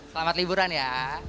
selamat liburan ya